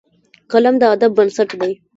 قلم د ادب بنسټ دی